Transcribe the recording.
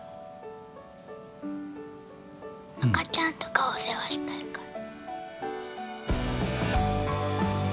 赤ちゃんとかお世話したいから。